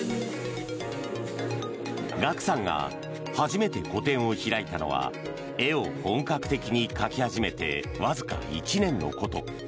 ＧＡＫＵさんが初めて個展を開いたのは絵を本格的に描き始めてわずか１年のこと。